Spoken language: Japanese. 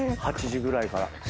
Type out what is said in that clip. ８時ぐらいから。